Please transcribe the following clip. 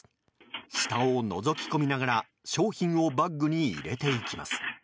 下をのぞき込みながら商品をバッグに入れていきます。